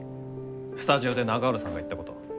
スタジオで永浦さんが言ったこと。